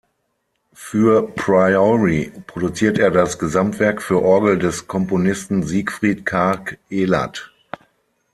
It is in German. Für Priory produziert er das Gesamtwerk für Orgel des Komponisten Sigfrid Karg-Elert.